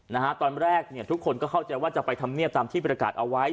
นะฮะตอนแรกเนี่ยทุกคนก็เข้าใจว่าจะไปทำเนียบตามที่ประกาศเอาไว้